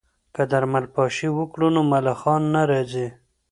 که درمل پاشي وکړو نو ملخان نه راځي.